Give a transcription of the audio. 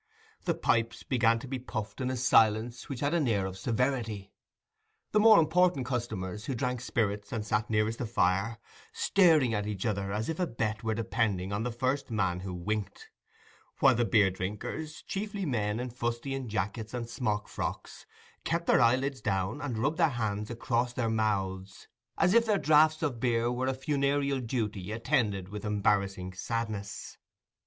The pipes began to be puffed in a silence which had an air of severity; the more important customers, who drank spirits and sat nearest the fire, staring at each other as if a bet were depending on the first man who winked; while the beer drinkers, chiefly men in fustian jackets and smock frocks, kept their eyelids down and rubbed their hands across their mouths, as if their draughts of beer were a funereal duty attended with embarrassing sadness.